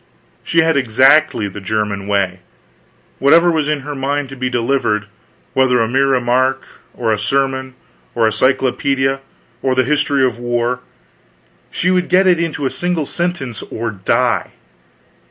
She had exactly the German way; whatever was in her mind to be delivered, whether a mere remark, or a sermon, or a cyclopedia, or the history of a war, she would get it into a single sentence or die.